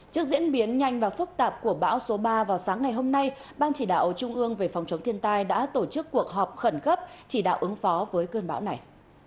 trước diễn biến nhanh và phức tạp của bão số ba vào sáng ngày hôm nay ban chỉ đạo trung ương về phòng chống thiên tai đã tổ chức cuộc họp khẩn cấp chỉ đạo ứng phó với cơn bão này